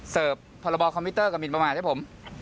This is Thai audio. เสิร์ฟพรบคอมพิวเตอร์กับมินประมาณให้ผม